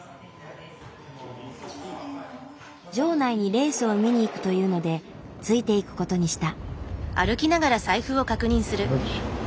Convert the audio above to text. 場内にレースを見に行くというのでついていくことにした。